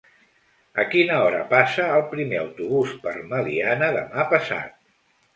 A quina hora passa el primer autobús per Meliana demà passat?